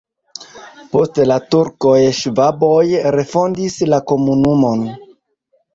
Post la turkoj ŝvaboj refondis la komunumon.